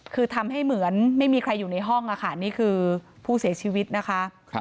คือทำให้เหมือนไม่มีใครอยู่ในห้องค่ะนี่คือผู้เสียชีวิตนะคะ